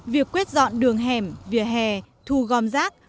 việc quét dọn đường hẻm vỉa hè thu gom rác